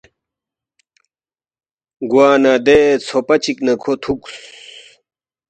گوا نہ دے ژھوپا چِک نہ کھو تُھوکس